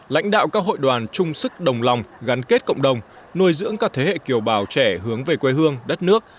lãnh đạo các hội đoàn chung sức đồng lòng gắn kết cộng đồng nuôi dưỡng các thế hệ kiều bào trẻ hướng về quê hương đất nước